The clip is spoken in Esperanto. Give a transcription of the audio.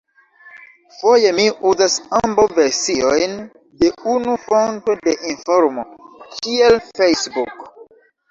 Foje mi uzas ambaŭ versiojn de unu fonto de informo, kiel Facebook.